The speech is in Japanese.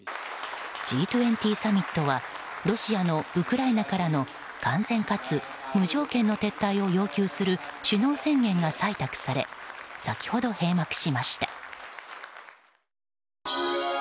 Ｇ２０サミットはロシアのウクライナからの完全かつ無条件の撤退を要求する首脳宣言が採択され先ほど閉幕しました。